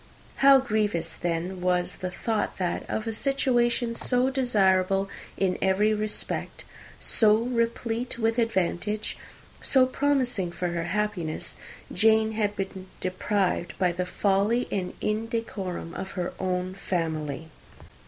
How grievous then was the thought that, of a situation so desirable in every respect, so replete with advantage, so promising for happiness, Jane had been deprived, by the folly and indecorum of her own family!